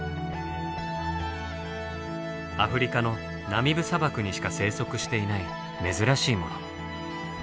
アフリカのナミブ砂漠にしか生息していない珍しいもの。